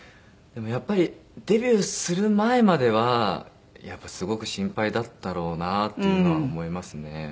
でもやっぱりデビューする前まではすごく心配だったろうなっていうのは思いますね。